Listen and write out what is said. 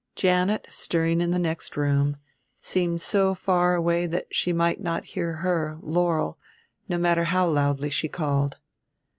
Janet, stirring in the next room, seemed so far away that she might not hear her, Laurel, no matter how loudly she called.